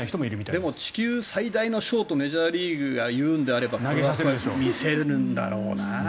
でも地球最大のショーとメジャーリーグが言うんだったら見せるんだろうな。